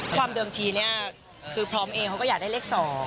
ความเดิมทีเนี่ยคือพร้อมเองเขาก็อยากได้เลข๒